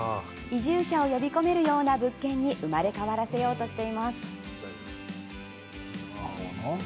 移住者を呼び込めるような物件に生まれ変わらせようとしています。